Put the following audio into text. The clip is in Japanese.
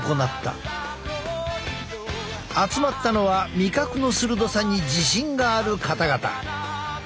集まったのは味覚の鋭さに自信がある方々。